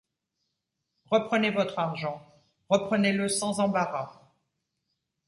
Reprenez votre argent. Reprenez-le sans embarras.